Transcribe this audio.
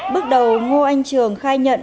bước đầu ngô anh trường khai nhận